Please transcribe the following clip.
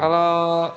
ya itukah nih itu